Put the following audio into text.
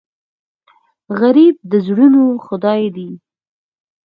غریب د زړونو خدای دی